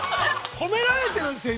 ◆褒められてるんですよ、今。